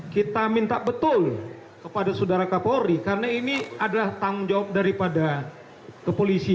kita minta betul kepada saudara kapolri karena ini adalah tanggung jawab dan pertanyaan yang diberikan kepada kita